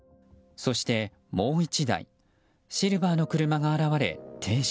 そして、もう１台シルバーの車が現れ停車。